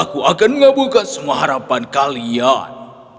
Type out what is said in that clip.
aku akan mengabulkan semua harapan kalian